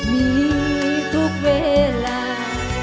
มีทุกเวลา